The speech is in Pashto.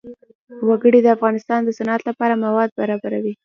وګړي د افغانستان د صنعت لپاره مواد برابروي.